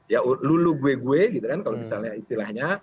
ya lulu gue gue gitu kan kalau misalnya istilahnya